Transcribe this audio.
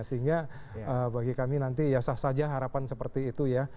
sehingga bagi kami nanti ya sah saja harapan seperti itu ya